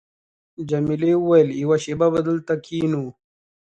جميلې وويل:، یوه شېبه به دلته کښېنو.